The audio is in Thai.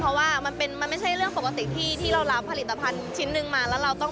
ปุ๊บสบก็จบแต่พอปันรู้ว่าขั้นตอนและกระบวนการของเขาไม่ถูกต้อง